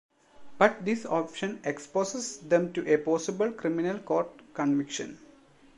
But this option exposes them to a possible criminal court conviction.